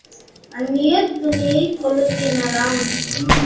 அந்நியத் துணியைக் கொளுத்தினராம்.